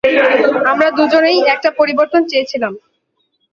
আমরা দুজনেই একটা পরিবর্তন চেয়েছিলাম।